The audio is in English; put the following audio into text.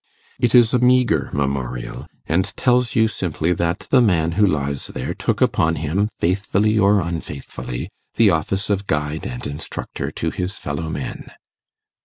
It is a meagre memorial, and tells you simply that the man who lies there took upon him, faithfully or unfaithfully, the office of guide and instructor to his fellow men.